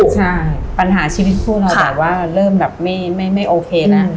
ใช่ปัญหาชีวิตคู่เราแบบว่าเริ่มแบบไม่โอเคแล้ว